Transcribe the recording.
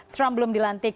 trump belum dilantik